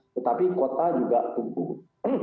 tetapi kota juga tumbuh